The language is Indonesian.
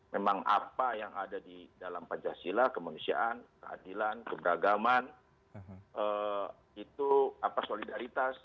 memang apa yang ada di dalam pancasila kemanusiaan keadilan keberagaman itu solidaritas